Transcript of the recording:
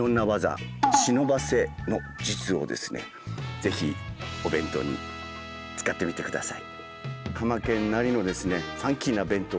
ぜひお弁当に使ってみて下さい。